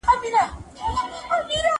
ولسواکۍ ته بدلون يو کرار بهير و.